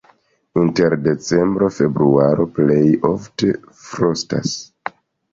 Inter decembro-februaro plej ofte frostas.